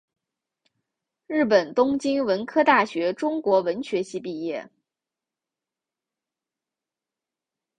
日本东京文科大学中国文学系毕业。